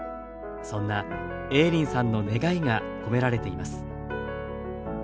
そんな映林さんの願いが込められています。